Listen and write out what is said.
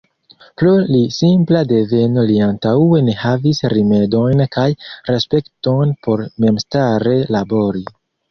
Pro li simpla deveno li antaŭe ne havis rimedojn kaj respekton por memstare labori.